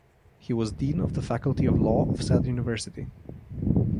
He was Dean of the Faculty of Law of said university.